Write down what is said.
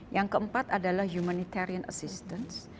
yang keempat adalah humanitarian assistance